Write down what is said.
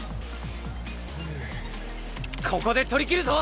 ここで取りきるぞ！